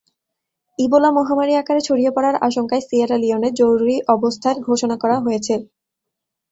Ebola মহামারি আকারে ছড়িয়ে পড়ার আশঙ্কায় সিয়েরা লিওনে জরুরি অবস্থা ঘোষণা করা হয়েছে।